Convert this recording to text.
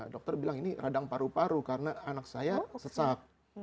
dokter bilang ini radang paru paru karena anak saya sesak